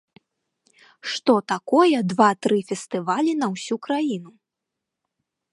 Што такое два-тры фестывалі на ўсю краіну?